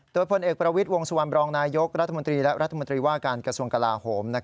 โดยพลเอกประวิทย์วงสุวรรณบรองนายกรัฐมนตรีและรัฐมนตรีว่าการกระทรวงกลาโหม